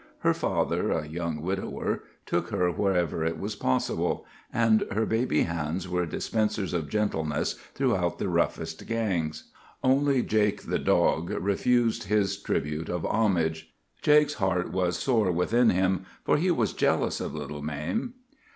Her father, a young widower, took her wherever it was possible, and her baby hands were dispensers of gentleness throughout the roughest gangs. "Only Jake, the dog, refused his tribute of homage. Jake's heart was sore within him, for he was jealous of little Mame.